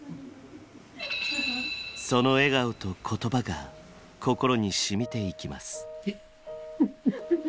その笑顔と言葉が心にしみていきます。